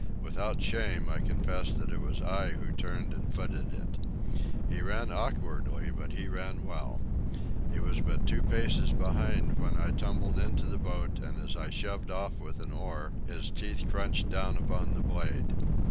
Without shame, I confess that it was I who turned and footed it. He ran awkwardly, but he ran well. He was but two paces behind when I tumbled into the boat, and as I shoved off with an oar his teeth crunched down upon the blade.